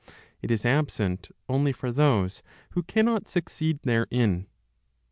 It is absent only for those who cannot succeed therein.